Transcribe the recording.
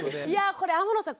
これ天野さん